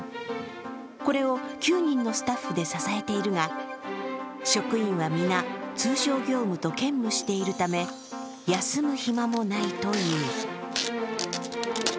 これを９人のスタッフで支えているが職員は皆、通常業務と兼務しているため、休む暇もないという。